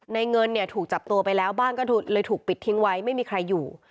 เงินเนี่ยถูกจับตัวไปแล้วบ้านก็เลยถูกปิดทิ้งไว้ไม่มีใครอยู่